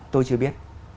tôi chưa biết